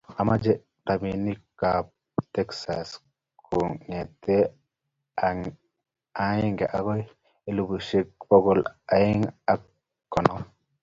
Amache robinik kab Texas kongete agenge agoi elubushek bokol aeng ago konom